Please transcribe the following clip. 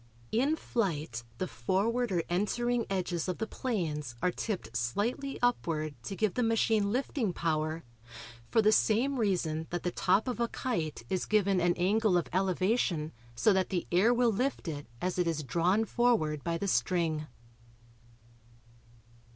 In flight the forward or entering edges of the planes are tipped slightly upward to give the machine lifting power for the same reason that the top of a kite is given an angle of elevation so that the air will lift it as it is drawn forward by the string.